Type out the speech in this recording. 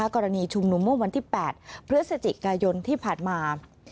กรณีชุมนุมเมื่อวันที่๘พฤศจิกายนที่ผ่านมา